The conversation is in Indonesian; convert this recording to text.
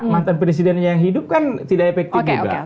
mantan presiden yang hidup kan tidak efektif juga